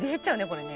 これね。